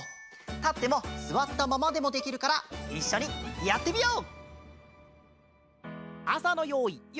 たってもすわったままでもできるからいっしょにやってみよう！